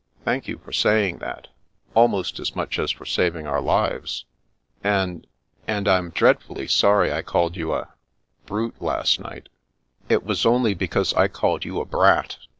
Thank you for saying that, almost as much as for saving our lives. And — and I'm dreadfully sorry I called you a — ^brute, last night." " It was only because I called you a brat.